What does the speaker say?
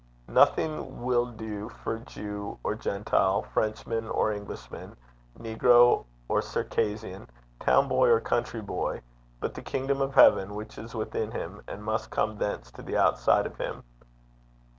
Nothing will do for Jew or Gentile, Frenchman or Englishman, Negro or Circassian, town boy or country boy, but the kingdom of heaven which is within him, and must come thence to the outside of him.